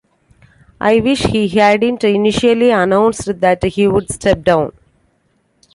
I wish he hadn't initially announced that he would step down.